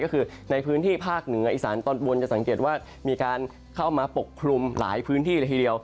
ก็คือในพื้นที่ภาคเหนืออีสานตอนบนจะสังเกตว่ามีการเข้ามาปกคลุมหลายพื้นที่ละทีเดียว